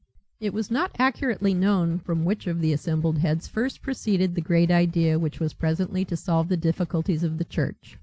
It was not accurately known from which of the assembled heads first proceeded the great idea which was presently to solve the difficulties of the church.